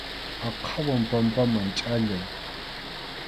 Aqhawan pampaman chʼallay.